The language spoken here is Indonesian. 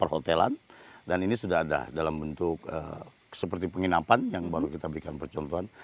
perhotelan dan ini sudah ada dalam bentuk seperti penginapan yang baru kita berikan percontohan